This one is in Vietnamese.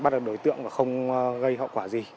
bắt được đối tượng và không gây hậu quả gì